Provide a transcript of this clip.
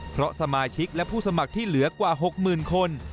เพราะสมาชิกและผู้สมัครที่เหลือกว่า๖๐๐๐คน